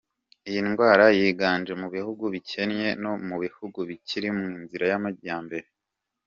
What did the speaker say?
Iyi ndwara yiganje mu bihugu bikennye no mu bihugu bikiri mu nzira y’amajyambere.